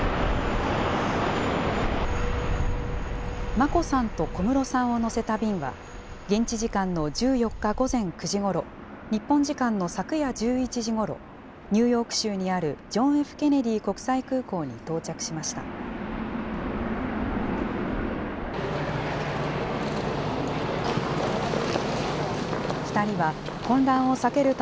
眞子さんと小室さんを乗せた便は現地時間の１４日午前９時ごろ、日本時間の昨夜１１時ごろ、ニューヨーク州にあるジョン・Ｆ・ケネディ国際空港に到着しました。